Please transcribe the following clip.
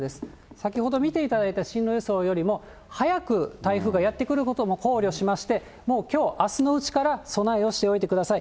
先ほど見ていただいた進路予想よりも早く台風がやって来ることも考慮しまして、もうきょう、あすのうちから備えをしておいてください。